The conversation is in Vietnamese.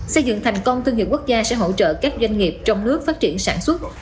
xây dựng thành công thương hiệu quốc gia sẽ hỗ trợ các doanh nghiệp trong nước phát triển sản xuất